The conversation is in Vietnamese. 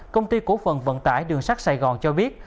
công ty cổ phần vận tải đường sắt sài gòn cho biết